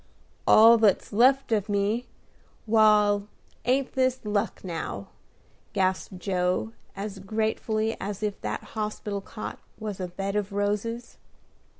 "All that's left of me. Wal, ain't this luck, now?" gasped Joe, as gratefully as if that hospital cot was a bed of roses.